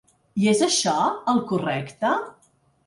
I és això el correcte?